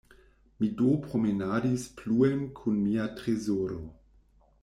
Mi do promenadis pluen kun mia trezoro.